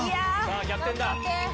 逆転だ。